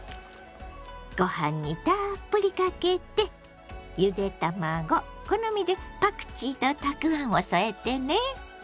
ご飯にたっぷりかけてゆで卵好みでパクチーとたくあんを添えてね。